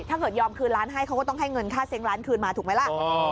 ถ้าเกิดยอมคืนล้านให้เขาก็ต้องให้เงินค่าเซ้งร้านคืนมาถูกไหมล่ะ